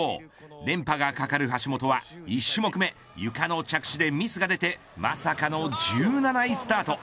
連覇がかかる橋本は一種目目ゆかの着地でミスが出てまさかの１７位スタート。